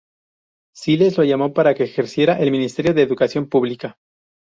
Siles lo llamó para que ejerciera el Ministerio de Educación Pública.